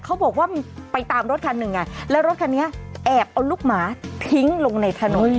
เขาบอกว่ามันไปตามรถคันหนึ่งไงแล้วรถคันนี้แอบเอาลูกหมาทิ้งลงในถนน